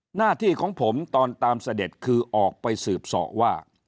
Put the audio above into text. หน้าที่ของผมตอนตามเสด็จคือออกไปสืบสอว่า